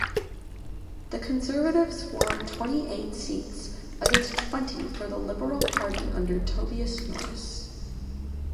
The Conservatives won twenty-eight seats, against twenty for the Liberal Party under Tobias Norris.